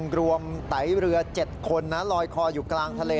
ไตเรือ๗คนนะลอยคออยู่กลางทะเล